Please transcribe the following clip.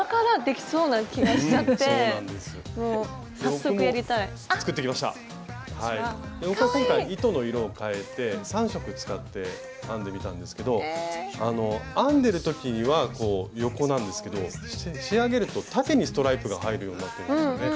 僕は今回糸の色を変えて３色使って編んでみたんですけど編んでる時には横なんですけど仕上げると縦にストライプが入るようになってるんですよね。